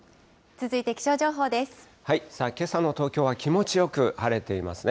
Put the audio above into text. けさの東京は気持ちよく晴れていますね。